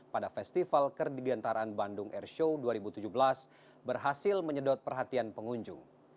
pada festival kerdigentaraan bandung airshow dua ribu tujuh belas berhasil menyedot perhatian pengunjung